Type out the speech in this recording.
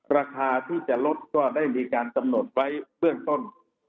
ราคาที่จะลดก็ได้มีการกำหนดไว้เบื้องต้น